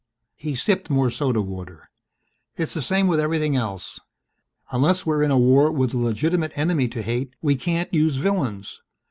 He sipped more soda water. "It's the same with everything else. Unless we're in a war with a legitimate enemy to hate we can't use villains.